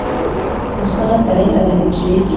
ruswa n akarengane bicike